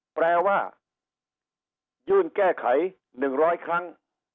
แปลว่ายื่นแก้ไข๑๐๐ครั้ง